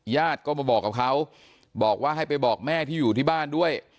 ญาติก็มาบอกกับเขาบอกว่าให้ไปบอกแม่ที่อยู่ที่บ้านด้วย